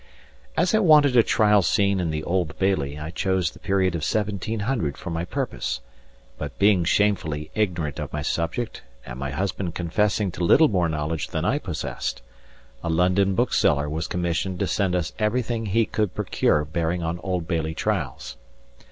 As I wanted a trial scene in the Old Bailey, I chose the period of 1700 for my purpose; but being shamefully ignorant of my subject, and my husband confessing to little more knowledge than I possessed, a London bookseller was commissioned to send us everything he could procure bearing on Old Bailey trials.